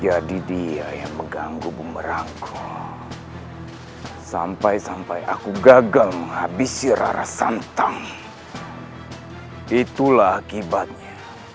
jadi dia yang mengganggu bumerangku sampai sampai aku gagal menghabisi rara santang itulah akibatnya